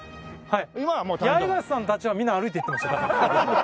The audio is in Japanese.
八重樫さんたちはみんな歩いて行ってました。